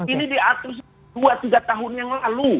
ini diatur dua tiga tahun yang lalu